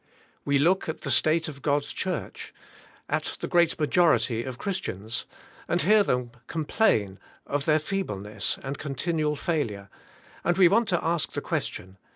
We look at the state of God's church, at the great majority of Christians, and hear them com plain of their feebleness and continual failure, and we want to ask the question.